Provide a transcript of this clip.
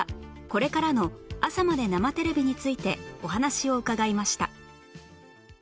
これからの『朝まで生テレビ！』についてお話を伺いました